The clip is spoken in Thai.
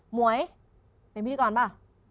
หมวยเป็นพิธีกรป่ะ